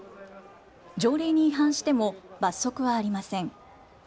条例に違反しても罰則はありません。